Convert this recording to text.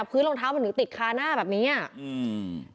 พื้นรองเท้ามันถึงติดคาหน้าแบบนี้อ่ะอืม